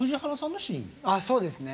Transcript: そうですね。